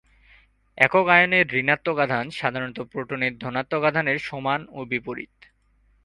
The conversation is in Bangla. একক আয়নের ঋণাত্মক আধান সাধারণত প্রোটনের ধনাত্মক আধানের সমান ও বিপরীত।